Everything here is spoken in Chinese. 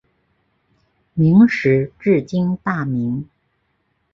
明时治今大名。